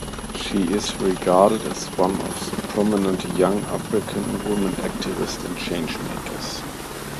She is regarded as one of the prominent young African women activists and changemakers.